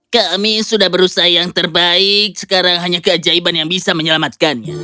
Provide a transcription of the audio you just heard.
kami sudah berusaha yang terbaik sekarang hanya keajaiban yang bisa menyelamatkannya